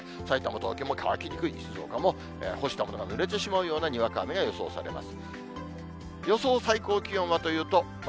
東京、ちょっと乾きにくい湿度で、静岡も干しているものがぬれてしまうようなにわか雨が予想されます。